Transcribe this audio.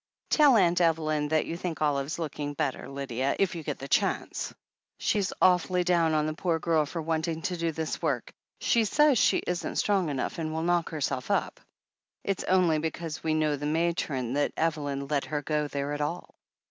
Tell Aunt Evelyn that you think Olive's looking better, Lydia, if you get the chance. She's awfully down on the poor girl for wanting to do this work — sa)rs she isn't strong enough, and will knock herself up. It's only because we know the matron that Evelyn let her go there at all."